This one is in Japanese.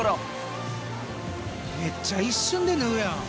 めっちゃ一瞬で縫うやん。